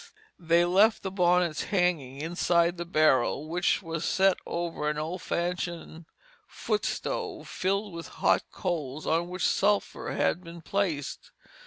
This left the bonnets hanging inside the barrel, which was set over an old fashioned foot stove filled with hot coals on which sulphur had been placed.